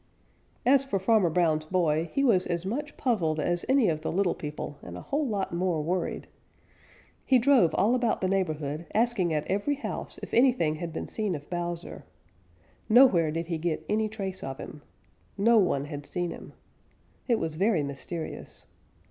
As for Farmer Brown's boy, he was as much puzzled as any of the little people and a whole lot more worried. He drove all about the neighborhood, asking at every house if anything had been seen of Bowser, Nowhere did he get any trace of him. No one had seen him. It was very mysterious.